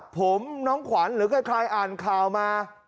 ผมน้องขวัญหรือใครอ่านข่าวมา